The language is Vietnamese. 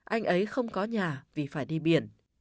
anh ấy không có nhà vì phải đi biển